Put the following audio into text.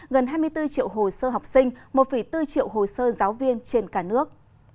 gần hai mươi bốn triệu hồ sơ học sinh một bốn triệu hồ sơ giáo viên trên cả nước